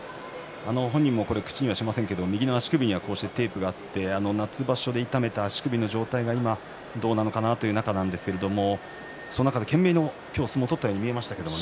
本人、口にしませんが右の足首にテープがあって夏場所で痛めた足首の状態がどうなのかなという中ですがその中で懸命の相撲を今日取ったように見えました。